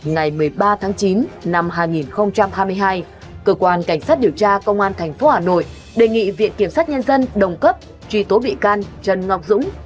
ngày một mươi ba tháng chín năm hai nghìn hai mươi hai cơ quan cảnh sát điều tra công an tp hà nội đề nghị viện kiểm sát nhân dân đồng cấp truy tố bị can trần ngọc dũng